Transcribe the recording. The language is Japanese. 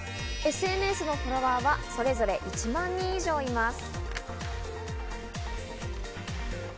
ＳＮＳのフォロワーはそれぞれ１万人以上います。